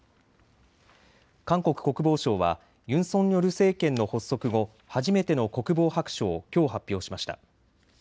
韓国国防省はユン・ソンニョル政権の発足後、初めての国防白書をきょう発表しました。